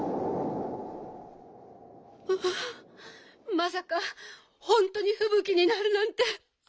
まさかほんとにふぶきになるなんて。